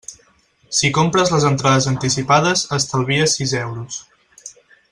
Si compres les entrades anticipades estalvies sis euros.